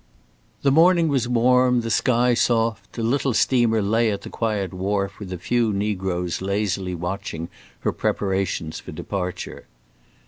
The morning was warm, the sky soft, the little steamer lay at the quiet wharf with a few negroes lazily watching her preparations for departure.